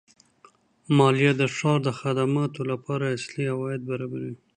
مالیه د ښار د خدماتو لپاره اصلي عواید برابروي.